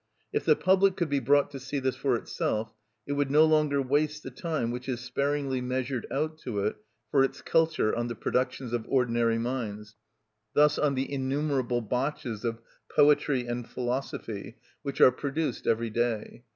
If the public could be brought to see this for itself, it would no longer waste the time which is sparingly measured out to it for its culture on the productions of ordinary minds, thus on the innumerable botches of poetry and philosophy which are produced every day.